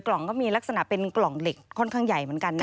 กล่องก็มีลักษณะเป็นกล่องเหล็กค่อนข้างใหญ่เหมือนกันนะ